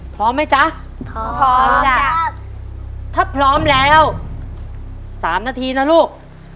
พร้อมไหมจ๊ะพร้อมครับถ้าพร้อมแล้วสามนาทีนะลูก